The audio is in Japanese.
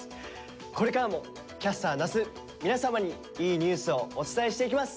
これからもキャスター那須皆様にいいニュースをお伝えしていきます。